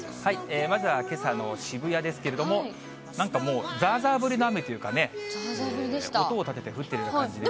まずはけさの渋谷ですけれども、なんかもう、ざーざー降りの雨というかね、音を立てて降っているような感じですね。